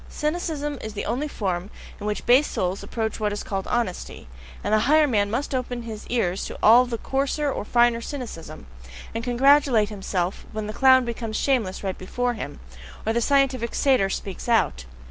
Cynicism is the only form in which base souls approach what is called honesty; and the higher man must open his ears to all the coarser or finer cynicism, and congratulate himself when the clown becomes shameless right before him, or the scientific satyr speaks out.